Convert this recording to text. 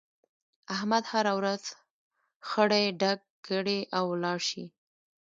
احمد هر ورځ خړی ډک کړي او ولاړ شي.